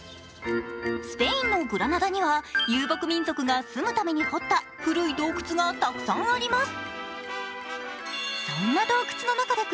スペインのグラナダには遊牧民族が住むために掘った古い洞窟がたくさんあります。